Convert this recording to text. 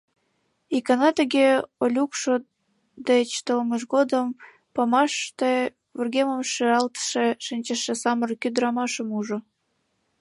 Икана тыге Олюкшо деч толмыж годым пашмаште вургемым шӱалтен шинчыше самырык ӱдырамашым ужо.